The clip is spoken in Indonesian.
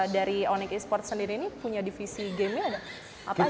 dari onyx esports sendiri ini punya divisi game nya ada apa aja